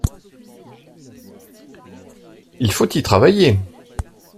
Il faut y travailler.